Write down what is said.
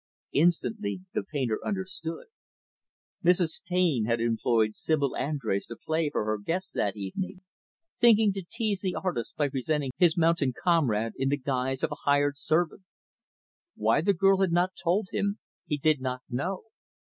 Instantly, the painter understood. Mrs. Taine had employed Sibyl Andrés to play for her guests that evening; thinking to tease the artist by presenting his mountain comrade in the guise of a hired servant. Why the girl had not told him, he did not know.